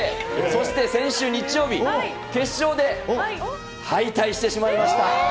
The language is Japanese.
そして先週日曜日、決勝で敗退してしまいました。